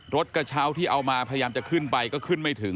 กระเช้าที่เอามาพยายามจะขึ้นไปก็ขึ้นไม่ถึง